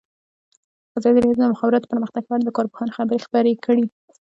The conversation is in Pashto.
ازادي راډیو د د مخابراتو پرمختګ په اړه د کارپوهانو خبرې خپرې کړي.